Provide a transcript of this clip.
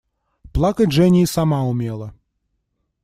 Плакать Женя и сама умела.